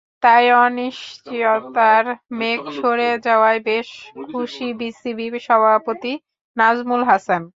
তাই অনিশ্চয়তার মেঘ সরে যাওয়ায় বেশ খুশি বিসিবি সভাপতি নাজমুল হাসান।